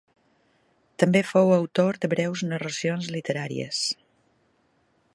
També fou autor de breus narracions literàries.